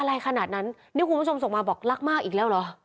อะไรขนาดนั้นนี่คุณผู้ชมส่งมาบอกรักมากอีกแล้วเหรอ